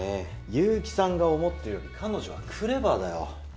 結城さんが思ってるより彼女はクレバーだよ。